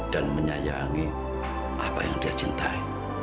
dan menyayangi apa yang dia cintai